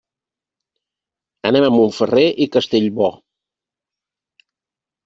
Anem a Montferrer i Castellbò.